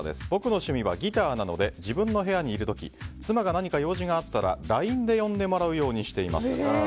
僕の趣味はギターなので自分の部屋にいる時妻が何か用事があったらＬＩＮＥで呼んでもらうようにしています。